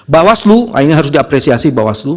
bawaslu ini harus diapresiasi bawaslu